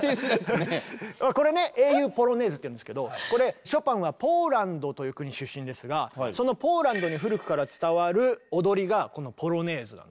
これね「英雄ポロネーズ」っていうんですけどショパンはポーランドという国出身ですがそのポーランドに古くから伝わる踊りがこの「ポロネーズ」なんですね。